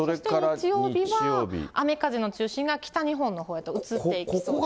日曜日は雨風の中心が北日本のほうへと移っていきそうですね。